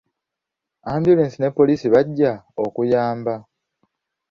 Ambyulensi ne poliisi bajja okuyamba.